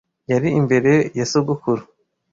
yari imbere ya sogokuru